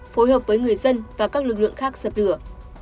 phối hợp với người dân và các lực lượng khác dập lửa